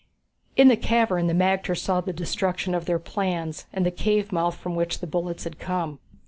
In the cavern the magter saw the destruction of their plans, and the cave mouth from which the bullets had come.